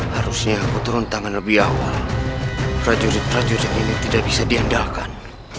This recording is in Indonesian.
harusnya aku turun tangan lebih awal prajurit prajurit ini tidak bisa diandalkan